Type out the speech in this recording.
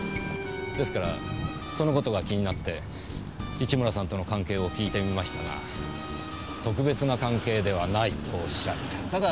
ですからそのことが気になって市村さんとの関係を訊きましたが特別な関係ではないとおっしゃる。